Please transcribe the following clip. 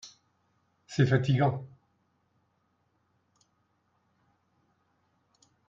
C'est fatigant.